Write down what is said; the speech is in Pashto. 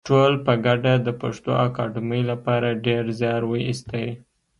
ټولو په ګډه د پښتو اکاډمۍ لپاره ډېر زیار وایستی